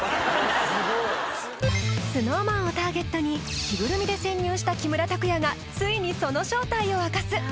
すごいＳｎｏｗＭａｎをターゲットに着ぐるみで潜入した木村拓哉がついにその正体を明かす！